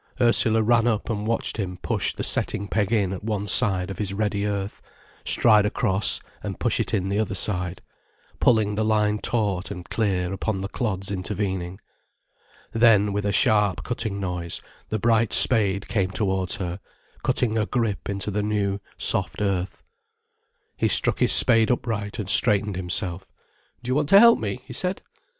Ursula ran up and watched him push the setting peg in at one side of his ready earth, stride across, and push it in the other side, pulling the line taut and clear upon the clods intervening. Then with a sharp cutting noise the bright spade came towards her, cutting a grip into the new, soft earth. He struck his spade upright and straightened himself. "Do you want to help me?" he said.